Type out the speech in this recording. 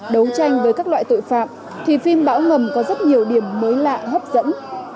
đấu tranh với các loại tội phạm thì phim bão ngầm có rất nhiều điểm mới lạ hấp dẫn